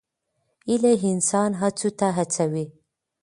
هیله انسان هڅو ته هڅوي.